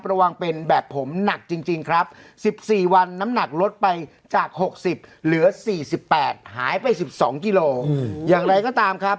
ระวังเป็นแบบผมหนักจริงครับ๑๔วันน้ำหนักลดไปจาก๖๐เหลือ๔๘หายไป๑๒กิโลอย่างไรก็ตามครับ